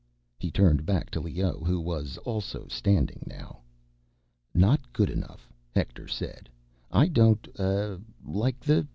He turned back to Leoh, who was also standing now. "Not good enough," Hector said. "I don't, uh, like the